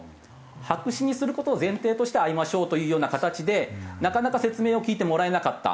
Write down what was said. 白紙にする事を前提として会いましょうというような形でなかなか説明を聞いてもらえなかった。